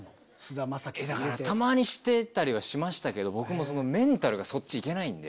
たまにしてたりはしましたけど僕メンタルがそっち行けないんで。